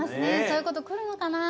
そういうことくるのかな。